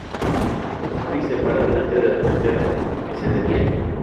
Jarvis se para delante de la tercera, que se detiene.